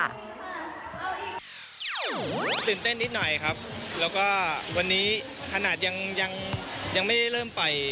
ตื่นเต้นนิดหน่อยครับแล้วก็วันนี้ขนาดยังยังไม่ได้เริ่มไป